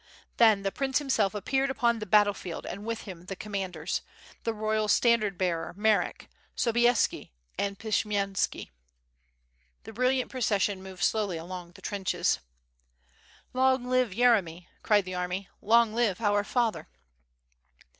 Then the prince himself appeared upon the battle field and with him the commanders, the royal standard bearer Marek, Sobieski and Pshiyemski. The brill iant procession moved slowly along the trenches. "Long live Yeremy!' cried the army, "long live our father!"